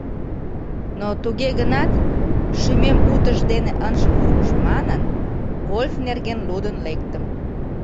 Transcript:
Но, туге гынат, шӱмем утыж дене ынже вургыж манын, гольф нерген лудын лектым.